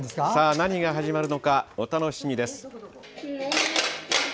何が始まるのかお楽しみです。